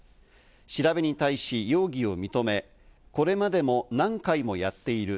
調べに対し容疑を認め、これまでも何回もやっている。